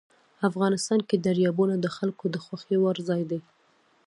افغانستان کې دریابونه د خلکو د خوښې وړ ځای دی.